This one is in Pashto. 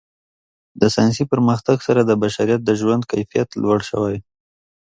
د ساینسي پرمختګ سره د بشریت د ژوند کیفیت لوړ شوی.